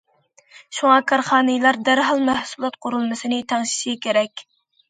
شۇڭا، كارخانىلار دەرھال مەھسۇلات قۇرۇلمىسىنى تەڭشىشى كېرەك.